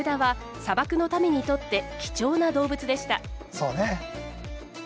そうね。